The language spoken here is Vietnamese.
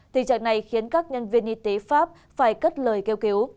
tình trạng này khiến các nhân viên y tế pháp phải cất lời kêu cứu